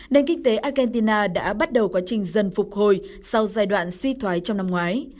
nền kinh tế argentina đã bắt đầu quá trình dần phục hồi sau giai đoạn suy thoái trong năm ngoái